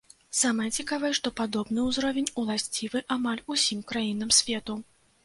Самае цікавае, што падобны ўзровень уласцівы амаль усім краінам свету.